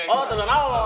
oh sudah tahu